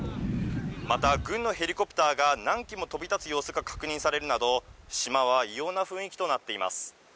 また軍のヘリコプターが何機も飛び立つ様子が確認されるなど、島は異様な雰囲気となっています。